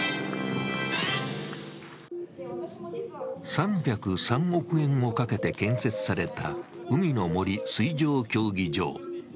３０３億円をかけて建設された海の森水上競技場。